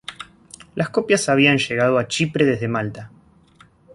Las copias habían llegado a Chipre desde Malta.